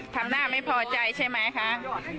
ทำหน้าไม่พอใจใช่ไหมคะ